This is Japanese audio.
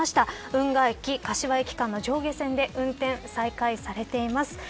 運河駅、柏駅間の上下線で運転再開されています。